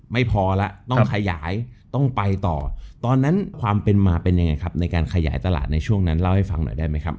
ไม่พอแล้วต้องขยายต้องไปต่อตอนนั้นความเป็นมาเป็นยังไงครับในการขยายตลาดในช่วงนั้นเล่าให้ฟังหน่อยได้ไหมครับ